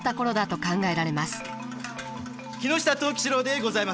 木下藤吉郎でございます。